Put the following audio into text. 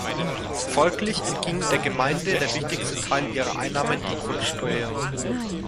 Folglich entging der Gemeinde der wichtigste Teil ihrer Einnahmen, die Grundsteuer.